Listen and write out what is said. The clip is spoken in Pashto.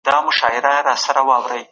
کومه نقطه د دولت د انحطاط په اړه روښانه ده؟